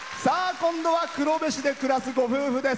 今度は黒部市で暮らすご夫婦です。